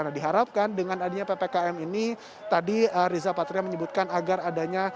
nah diharapkan dengan adanya ppkm ini tadi riza patria menyebutkan agar adanya